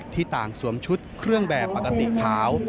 ที่ต่างสวมชุดเครื่องแบบปกติขาว